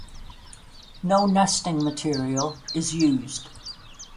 No nesting material is used.